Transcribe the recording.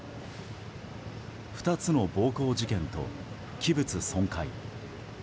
２つの暴行事件と器物損壊。